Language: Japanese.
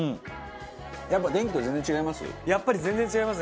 やっぱ電気と全然違います？